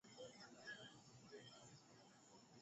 na alijulikana kwa jina la Blob ajabu nikuwa hakuwa na ubongo